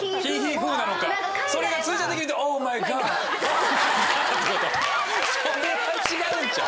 それは違うんちゃう？